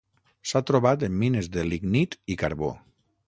S'ha trobat en mines de lignit i carbó.